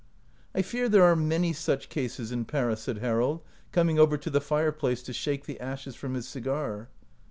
" I fear thepe are many such cases in Paris," said Harold, coming over to the fire place to shake the ashes from his cigar.